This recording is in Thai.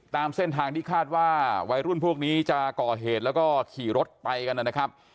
ตามเส้นทางที่คาดว่าวัยรุ่นพวกนี้จะก่อเหตุแล้วก็ขี่รถไปกันนะครับ